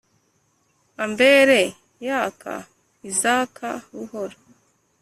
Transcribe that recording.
ambere yaka izaka buhoro,